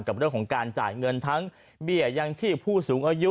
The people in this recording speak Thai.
กับเรื่องของการจ่ายเงินทั้งเบี้ยยังชีพผู้สูงอายุ